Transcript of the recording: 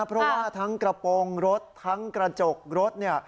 เพราะว่าทั้งกระโปรงรถทั้งกระจกรถ